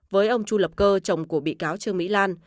với ông chu lập cơ chồng của bị cáo trương mỹ lan